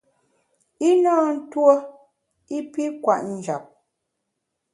I na ntuo i pi kwet njap.